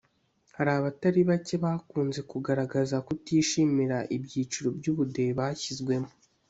Hari abatari bake bakunze kugaragaza kutishimira ibyiciro by’ubudehe bashyizwemo